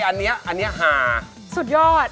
อันนี้หาสุดยอด